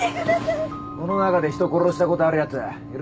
この中で人殺したことあるやついるか？